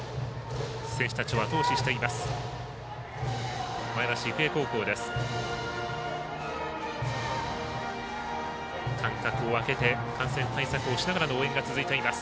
選手たちをあと押ししています。